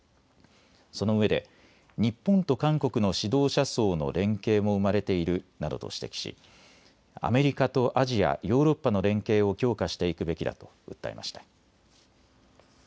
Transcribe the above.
そのうえで日本と韓国の指導者層の連携も生まれているなどと指摘しアメリカとアジア、ヨーロッパの連携を強化していくべきだと訴えました。